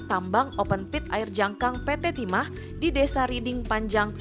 tambang open pit air jangkang pt timah di desa riding panjang